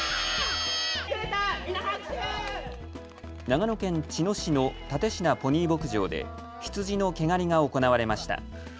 長野県茅野市の蓼科ポニー牧場で羊の毛刈りが行われました。